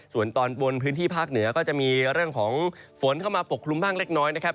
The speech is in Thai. ส่วนตอนบนพื้นที่ภาคเหนือก็จะมีเรื่องของฝนเข้ามาปกคลุมบ้างเล็กน้อยนะครับ